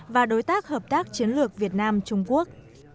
và đối tác hợp tác chiến lược việt nam trung quốc